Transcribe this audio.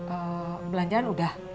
eee belanjaan udah